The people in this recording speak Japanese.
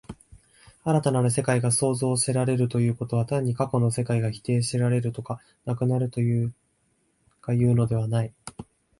新たなる世界が創造せられるということは、単に過去の世界が否定せられるとか、なくなるとかいうのではない。